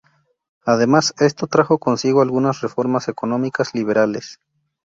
Además, esto trajo con sigo algunas reformas económicas liberales.